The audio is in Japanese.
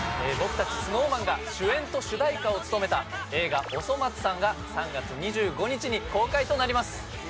僕たちＳｎｏｗＭａｎが主演と主題歌を務めた映画『おそ松さん』が３月２５日に公開となります。